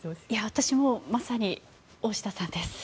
私、まさに大下さんです。